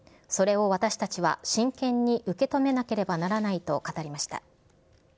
それを私たちは真剣に受け止めなければならないと語りました。